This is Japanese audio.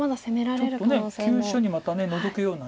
ちょっと急所にまたノゾくような。